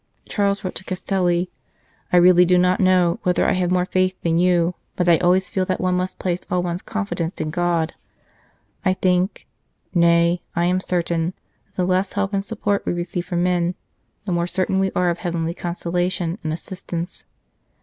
Charles wrote to Castelli :" I really do not know whether I have more faith than you, but I always feel that one must place all one s confidence in God. I think nay, I am certain that the less help and support we receive from men, the more certain we are of heavenly consolation and assistance.